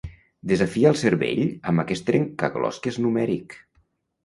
desafia el cervell amb aquest trencaclosques numèric